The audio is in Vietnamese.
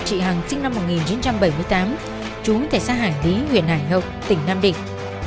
chị hằng sinh năm một nghìn chín trăm bảy mươi tám chú tại xã hải lý huyện hải hậu tỉnh nam định